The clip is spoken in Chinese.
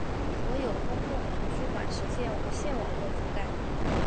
所有公共图书馆实现无线网络覆盖。